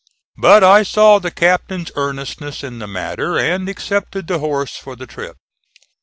But I saw the Captain's earnestness in the matter, and accepted the horse for the trip.